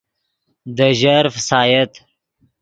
دے ژر فسایت